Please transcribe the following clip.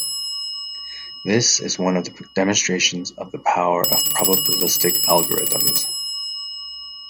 This is one of the demonstrations of the power of probabilistic algorithms.